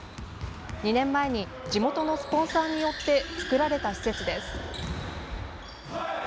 ２年前に地元のスポンサーによって作られた施設です。